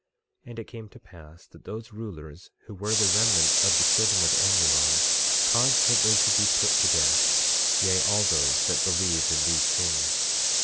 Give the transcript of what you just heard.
25:7 And it came to pass that those rulers who were the remnant of the children of Amulon caused that they should be put to death, yea, all those that believed in these things.